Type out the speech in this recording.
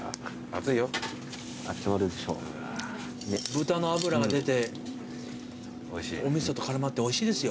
豚の脂が出てお味噌と絡まっておいしいですよ。